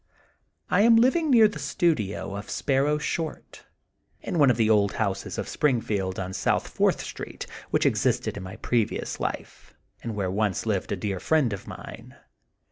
I am living near the studio of Sparrow Short, in one of the old houses of Springfield on South Fourth Street which existed in my previous life, and where once lived a dear friend of mine.